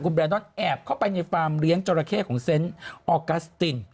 แบรดอนแอบเข้าไปในฟาร์มเลี้ยงจราเข้ของเซนต์ออกัสติน